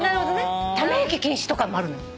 ため息禁止とかもあるのよ。